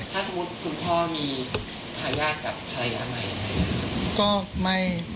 ถ้าสมมุติคุณพ่อมีภรรยากับภรรยาใหม่ใส่